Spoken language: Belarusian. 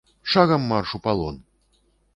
Шагам марш у палон!